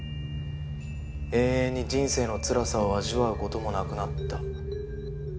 永遠に人生のつらさを味わう事もなくなった。